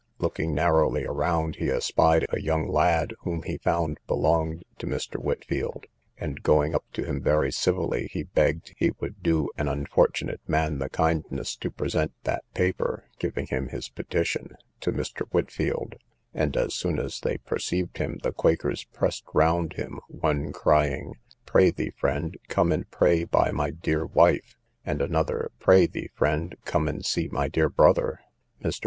Looking narrowly around, he espied a young lad, whom he found belonged to Mr. Whitfield, and going up to him very civilly, he begged he would do an unfortunate man the kindness to present that paper (giving him his petition) to Mr. Whitfield: and as soon as they perceived him, the quakers pressed round him, one crying, Pray thee, friend, come and pray by my dear wife; and another, Pray thee, friend, come and see my dear brother. Mr.